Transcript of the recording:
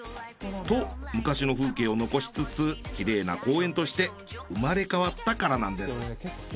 と昔の風景を残しつつきれいな公園として生まれ変わったからなんです。